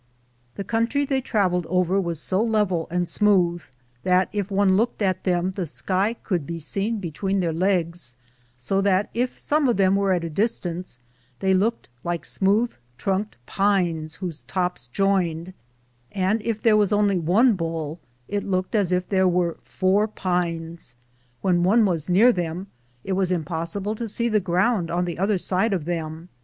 The country they traveled over was so level and smooth that if one looked at them the sky could be seen between their legs, bo that if some of them were at a distance they looked like smooth trunked pines whose tops joined, and if there was only one bull it looked as if there were iour pines. When one was near them, it was impossible to see the ground on the other Bide of them.